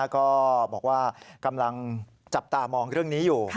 ก็บอกว่ากำลังจับตามองเรื่องนี้อยู่